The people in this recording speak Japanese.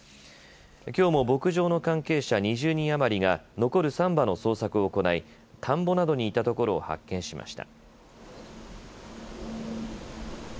きょうも牧場の関係者２０人余りが、残る３羽の捜索を行い、田んぼなどにいたところを発見しました。